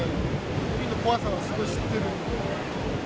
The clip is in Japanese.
海の怖さはすごい知ってるんで。